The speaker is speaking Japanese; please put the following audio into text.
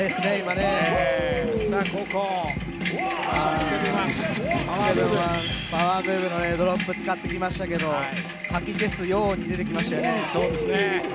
６７１のパワームーブドロップ使ってきましたけどかき消すように出てきましたよね。